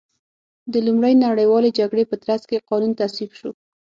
د لومړۍ نړیوالې جګړې په ترڅ کې قانون تصویب شو.